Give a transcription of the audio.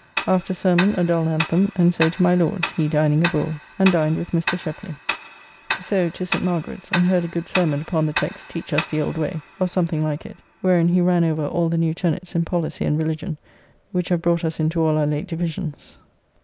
After sermon a dull anthem, and so to my Lord's (he dining abroad) and dined with Mr. Sheply. So, to St. Margarett's, and heard a good sermon upon the text "Teach us the old way," or something like it, wherein he ran over all the new tenets in policy and religion, which have brought us into all our late divisions.